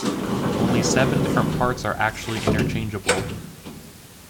Only seven different parts are actually interchangeable.